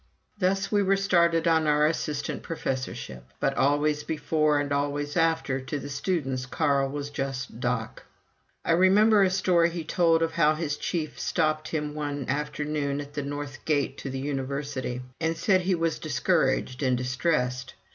Thus we were started on our assistant professorship. But always before and always after, to the students Carl was just "Doc." I remember a story he told of how his chief stopped him one afternoon at the north gate to the university, and said he was discouraged and distressed.